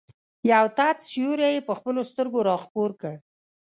یو تت سیوری یې په خپلو سترګو را خپور کړ.